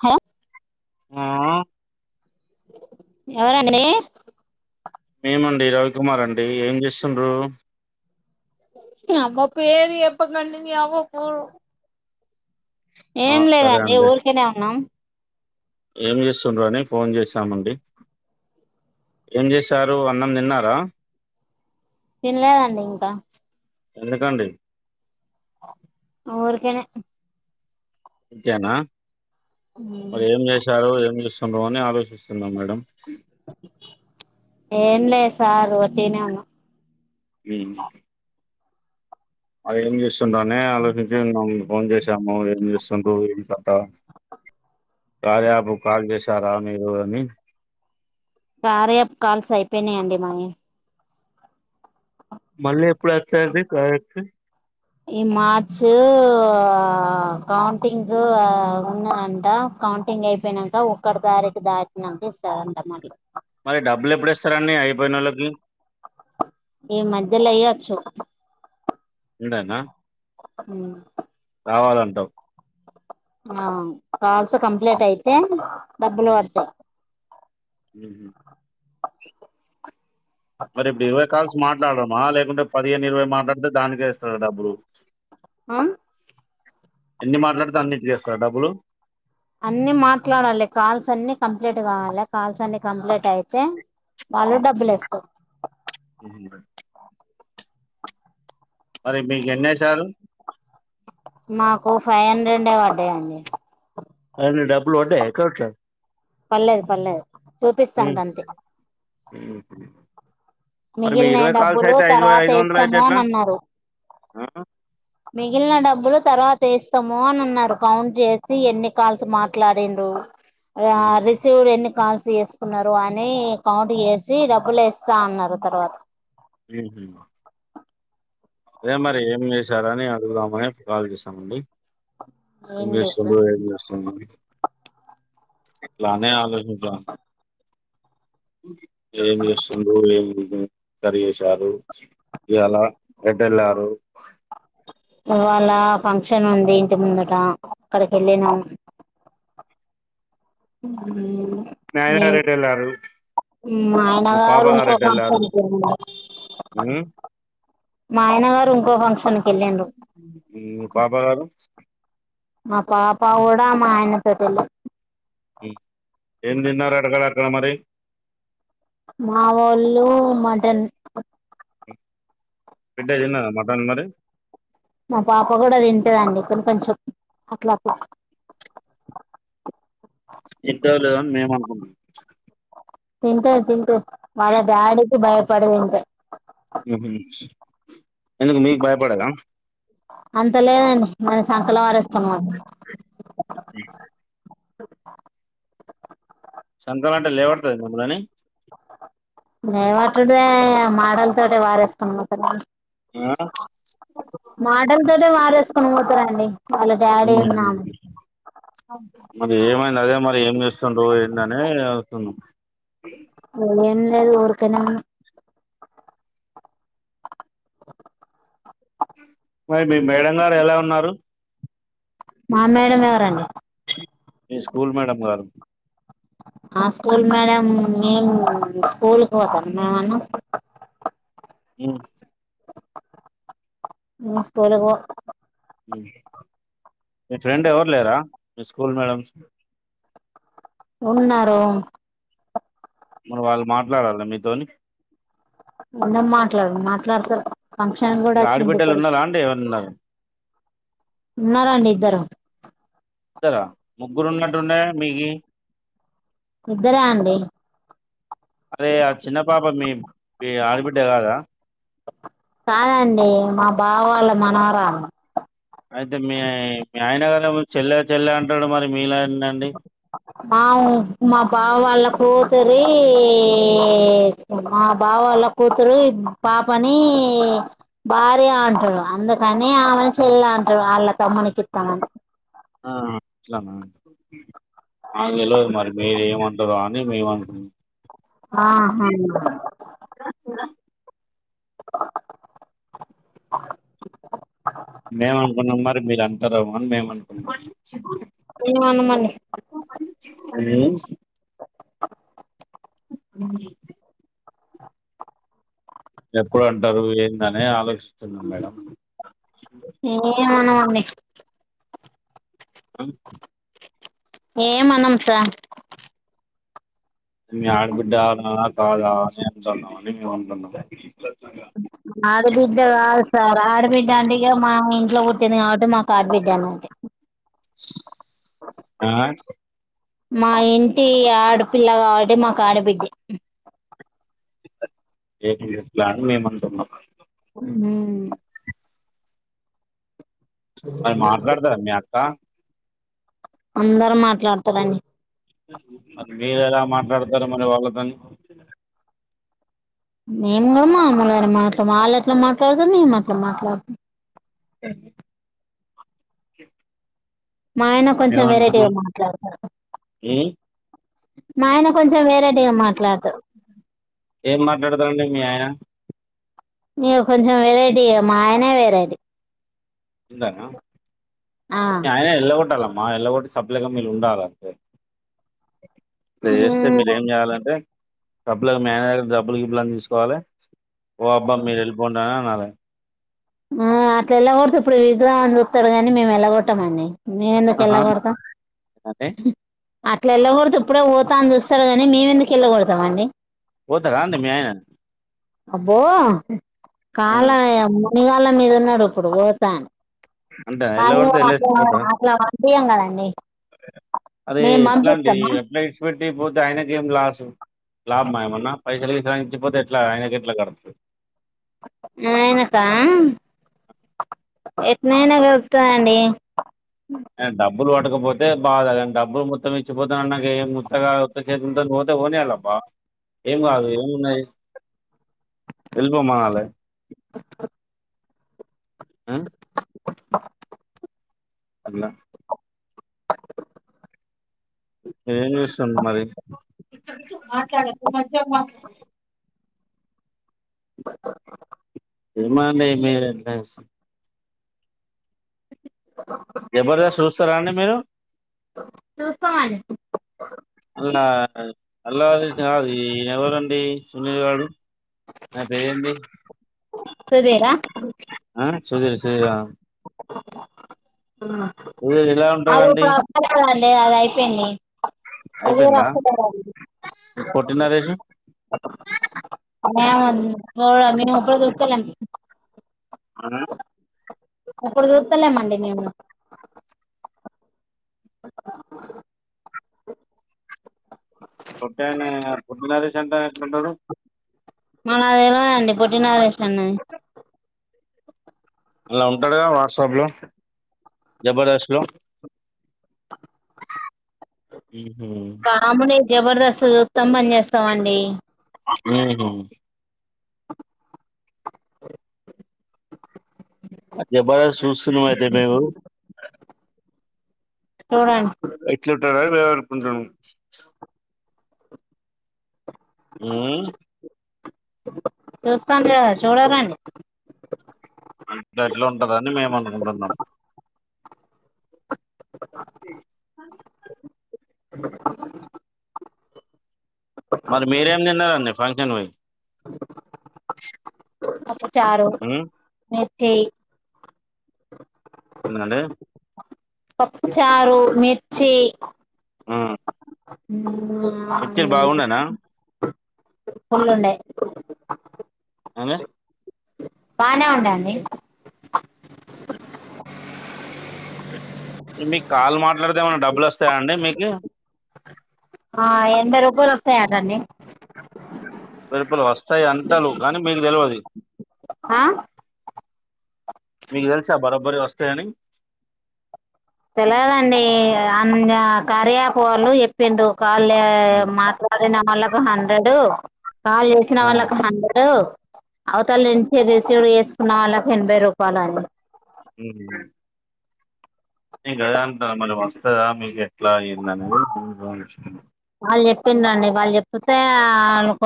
హా ఆ ఎవరండి మేమండి రవికుమార్ అండి ఏం చేస్సుండ్రు మీ అబ్బ పేరు ఎప్పకంటే మీ అబ పోరు ఆ! ఏం సరే లేదండి అండి. ఊరికనే ఉన్నాం ఏం చేస్సుండ్రు అని ఫోన్ జేసామండి ఏం చేశారు అన్నం నిన్నారా, తిన లేదండి ఇంకా ఎందుకండీ ఊరికనే ఇంతేనా మరి ఏం చేశారు యేం చేస్ అందు అని ఆలోచిస్ సున్నా మేడం ఏం లే సార్ రోటీనే ఉన్నా మ్మ్ అవి ఏం చేస్ కుంటనే ఆలోచించిన్నా బావుండు ఫోన్ జేశాము ఏం చేస్సుండు ఏం కథా కార్య యాప్ కాల్ చేసి తారా మీరు అని కార్యయప్ కాల్స్ అయిపేయినాయ్ అండి మావి మళ్ళీ ఎప్పుడు వచ్చాది వర్కు ఏ మాత్ చే వ కౌంటింగ్ ఆ ఉన్నాయంట, కౌంటింగ్ అయిపేనాంక ఒక్కటి తారీఖు దాటినాంక ఇస్తారంట మళ్ళీ, మరి డబ్బులు ఎప్పుడేస్తారని అయిపోయినొళ్లకి ఈ మధ్యలో ఏయొచ్చు ఇడనా హ్మ్ కావాలంటావ్ ఆ కాల్స్ హ్మ్. కప్లేటైతే డబ్బులు హ్మ్. పడతాయ్ హుహు మరి ఇప్పుడు ఇరవై కాల్స్ మాట్లాడదామా లేప్ కుడేప్ పదిహేను ఇరవైయే మాట్లాడితే దానిగేస్ తో డబ్బురు ఆ ఎన్ని మాట్లాడితే అన్నిటికేస్తారా డబ్బులు అన్ని మాట్లాడాలి కాల్స్ అన్ని కంప్లీట్ కావాలి. కాల్స్ అన్ని కంప్లెటైతే వాళ్ళు డబ్బులు ఏస్తార్ హుహు మీకు ఎన్ని వేశారు మాకు ఫై అండీడే పడయండి అవును డబ్బులు పడయా ఏకౌట్ల పర్లేదు పర్లేదు చూపిస్తాను అంతే మిగిలిన మిగిల్నాయ్ డబ్బులు తర్వాత ఐదు వందలు అయితే ఏస్తాము ఎట్లా అన్నన్నారు ఆ? మిగిలిన డబ్బులు తర్వాత ఏస్తాము అన్నన్నారు కౌంట్ చేసి ఎన్ని కాల్స్ మాట్లాడిండు రా రిసీవ్డ్ ఎన్ని కాల్స్ చేసుకున్నారు అని కౌంట్ చేసి డబ్బులేస్తా అన్నారు తరువాత హుహు అదే మరి ఏం వేశారని అడుగుదామని కాల్ చేసామండి ఏం చేస్తా ఇంగేసుందో ఏం చేసుడో అని అట్లానే ఆలోయ్ హుగా ఉహు ఏమేసుండే ఏమి హు కర్రీ యేశారు ఇయ్యలా రేడేలారు ఇవాలా ఫంక్షన్నుది ఇంటి ముందుట అక్కడికెళ్లినం హు హూ మీ ఆయన హు గారు ఎటు వెళ్ళారు మా ఆయన మీ పాప గారు ఎటు ఇంకొక వెళ్ళారు ఉమ్? [inaudible] మా ఆయనా గారు ఇంకో ఫంక్షన్ని ఈ పాప గారు మా పాపా ఉడా మా ఆయన తోటేలి ఈ ఏందిన్నది అడగరార్ క్కడ మరి మా వొళ్ళు మటన్ బిడ్డ దీన్నదా మటన్ మరి మా పాప కూడా తింటదండి కొ కొంచెం అట్లా అట్లా తింటో లేదో అని మేము తింటది తింటే వాళ్ళ డాడీ కి బయ బడి పోకుంటే హ్మ్ హు అంత లేదండి మనం సంకల వారిస్తాము మ్మ్ ఉమ్. సంఖం అంటే లేవడుతుంది మమ్మలుని నైవాటే మల్ సరే వాడేసుకొని పోతది ఆ మాటల్ తోట్ ే వారేసుకని పోతారండి వాళ్ళ డాడీ మ్మ్ ఉన్న ఆమె మరి ఏమైంది అదే మరి ఏం చేస్ సంటంటనేే తన్నా ఏం లేదు ఊరికేనే ఉన్న మరి మీ మేడం గారు ఎలా ఉన్నారు. మా మేడం ఎవరండి. మీ స్కూల్ మేడం గారు. ఆ స్కూల్ మేడం మే స్కూల్ కి పోతాంద ఏమన్నా మ్మ్ నువ్వు స్కూల్ కి పో మ్మ్ మీ ఫ్రెండ్ ఎవరు లేరా స్కూల్ మేడం స్ ఉన్నారూ మరి వాళ్ళు మాట్లాడరా మీతోని. ఎందుకు మాట్లాడారు మాట్లాడతారు. ఫంక్షన్ కూడా ఇంకా వచ్చింది ఆడిబిడ్డలు ఇక్కడికి ఉన్నారా అంటడి ఎవరన్నా ఉన్నారండి ఇద్దరు ఇద్దర ముగ్గురు ఉన్నట్టుండే మీకీ ఇద్దర అండి అరే ఆ చిన్న పాప మీ మీ ఆడబిడ్డ కాదా? కాదండి మా బావ వాళ్ళ మనవరాళ్లు అయితే మీ మీ ఆయన గాలు చెల్లె చెల్లె అంటాడు మరి మీలా ఏంటండి అవు మా బావ వాళ్ళ కూతురి మా బావో వాళ్ళ కూతురు పాపని భార్య అంటాడు అందుకని ఆమెను చెలై అంటారు ఆళ్ళ తమ్ముని ఇత్తామని. కత్తాంమని ఆ అట్లాన మాకు తెలవదు మరి మీరు ఏమంటరా అని మేమేం అనుకున్నాం ఆ అవునా [unintelligible] మేము అనుకున్నాం మరి మీర్ సరే ముందేమనుకున్న ఈన్నే ఉండమను [unintelligible] అ [inaudible] [unintelligible] ఎప్పుడు అంటారు ఏందనే ఆలోచిస్తున్నామ్ మేడం ఏ అవునవును నెక్స్ట్ వన్ ఏమ్ ఆనం సార్ మీ ఆడబిడ్డ కాదా అని మేము అంటున్నాం ఆడబిడ్డ కాదు ఇట్ల పుట్టింది కాబట్టి మాకు ఆడబిడ్డానమాటే ఆ మా ఇంటి ఆడపిల్ల కాబట్టి మా కాడ బిడ్డే రేపు మీరూ ప్లాన్ చేయ మంటున్నాం హుమ్ మరి మాట్లాడతారా మీ అక్కా అందరు మాట్లాడతారండి మరి మీరు ఎలా మాట్లాడతారు మరి వాళ్ళతోని మేము కూడా మామలుగానే మాట్లా వాళ్ళ ఎట్లా మాట్లాడుతారు మేము అట్లే మాట్లాడుతాం అ చె మా ఆయన కొంచెం వెరైటీగా మాట్లాడతారు ఉమ్ మా ఆయన కొంచెం వెరైటీగా మాట్లాడతారు ఏం మాట్లాడతారండి మీ ఇగ కొంచెం వెరైటీగా మా ఆయనే వెరైటీ అంతేనా ఆ మీ అయన ఎల్లగొట్టల ఆ ఎల్లగొట్టి సప్లిగా మీరు ఉండాల అంతే తెలిస్తే మీరు ఏం చేయాలంటే డబ్బులు అవి మేనేజర్ డబ్బులు గిబ్బులన్నీ చూసుకోవాలి ఓబ్బా మీరు ఎల్పోండా మరి హుమ్ అట్ల ఎల్లగొడితే ఎప్పుడు ఎల్తం అని చూస్తడు గానీ మేము ఎల్లగొట్టం అండి నేనెందుకు ఆహా ఎల్లగొడతా అంటే అట్లా ఎల్లగొడితే ఎప్పుడో పోతా అని చూస్తడు గానీ మేమెందుకు ఎల్లగొడతం అండి పోతారా అండి మీ ఆయన అబ్బో ఆ, కాళ్ళ మునిగాళ్ళ మీద ఉన్నాడు ఇప్పుడు పోతాని అంటే కానీ ఎల్లగొడితే వెళ్ళేసి అక్కడ పోతారా అకడ అంపీయము అరే మేము ఎట్లా అండి పంపిస్తమా ఎట్లా ఇచ్చిపెట్టి పోతే ఆయనకి ఏం లాస్ లాభమయ ఏమన్నా పైసలు ఇచ్చిపోతే ఎట్లా ఆయనకి ఎట్లా కడతుంది మాఆయనకా ఎట్నైనా కలుగుతుందండి ఆయన డబ్బులు పట్టకపోతే బాగాని డబ్బులు మొత్తం ఇచ్చిపోతున్నా నాకు ఏం ముత్తగా ఉత్త చేతి ఉంటుంది పోతే నియాలబ్బా ఏం కాదు ఏమున్నాయి ఎల్ప మనాల ఆ [unintelligible] అలా ఏం చేస్తుండు మరి పిచ్చిపిచ్చిగా మాట్లాడకు మంచిగా మాట్లాడు [inaudible] ఏమో అండి మీరే ఎట్లా జబర్దస్త్ చూస్తారా అండి మీరు చూస్తామండి అలా అల్లు అర్జున్ సినిమా ఆది ఎవరు ది సునీల్ గాడు నా పేరు ఏంది సుధీర్ ఆ ఆ సుధీర్ ధీరా సుధీర్ ఎలా [inaudible] ఉంటాడండి దే అది అయిపోయింది అయిపోయిందా [inaudible] పొట్టి నరేష్ ఏమ ముంది ఓ మేమెప్పుడి చూస్తలేము ఆ ఇప్పుడు చూస్తలేమండి మేము [unintelligible] పొట్టాయన పొట్టి నరేష్ ఎట్లుంటాడు మనకు తెలవదు అండి పొట్టి నరేష్ అన్న అలా ఉంటాడు గా వాట్సాప్ లో జబర్దస్త్ లో యూహే కామెడీ జబర్దస్త్ చూస్తాం బంద్ చేస్తామండి ఉహు అ జబర్దస్త్ చూస్తున్నాము అయితే మేము చూడండి [inaudible] మ్మ్ చూస్తాం కదా చూడాలండి అంత ఎట్లా ఉంటుందని మేము అనుకుంటున్నాం [inaudible] [inaudible] [inaudible] మరి మీరేం తిన్నారండి ఫంక్షన్ కి పోయి [inaudible] చారు ఉమ్? నే ఎ ఎందుకు అంటె పప్పుచారు మిర్చి ఆ [inaudible] అ మిక్చర్ బాగుండేనా ఫుల్ల్ లుండే అనా బానే ఉందండీ మీకు కాల్ మాట్లాడితే ఏమన్నా డబ్బులు వస్తాయా అండి మీకు ఆ ఎనబై రూపాలు వస్తాయాటండి పరుపులు వస్తాయి అంటారు కానీ మీకు తెలియదు ఆ మీ తెలుసా బరోబరి వస్తాయని తెలియదండి అ కారయాపులు చెప్పిండు కాల హ్మ్. మాత్రడే నమల్ [unintelligible] హండ్రెడ్ కాల్ చేసిన ఆ వాళ్లకు హండ్రెడ్ అవతలు నుంచి రిసీవ్ చేసుకున వాళ్ళకి ఎనభై రూపాయలు ఉ నేను అదే అంటానా మళ్ళీ వస్తుందా మీకు ఎట్లా ఏందనే వాళ్ళు చెప్పిినండి వాళ్ళు చెప్తే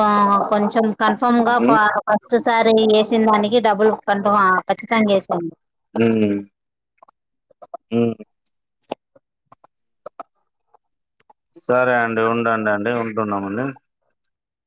వాళ్ళ కొంచెం కన్ఫర్మ్ గా ఉమ్, ఫస్ట్ సారి నేను చేసిన దానికి డబ్బుల్ కన్ఫ పచ్చకాంగస హ మ్మ్ సరే అండి ఉండండి అండి ఉంటునాము అండి ఉ